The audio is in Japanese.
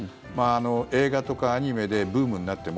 映画とかアニメでブームになっても